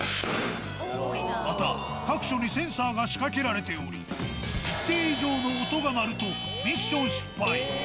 また、各所にセンサーが仕掛けられており、一定以上の音が鳴ると、ミッション失敗。